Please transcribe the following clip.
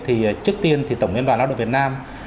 thì trước tiên thì tổng liên đoàn lao động việt nam